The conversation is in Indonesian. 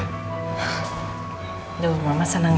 aduh mama senang ya